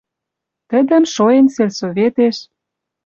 Тӹдӹм шоэн сельсоветеш